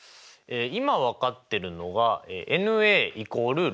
今分かってるのがｎ＝６。